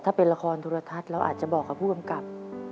หรือผู้ประพันว่าขอให้เขียนบทให้น้องหายได้ไหม